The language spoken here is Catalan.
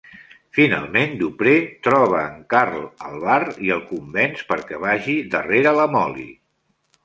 "Finalment Dupree troba en Carl al bar i el convenç perquè vagi darrere la Molly."